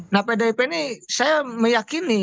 nah pdip ini saya meyakini